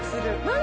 何？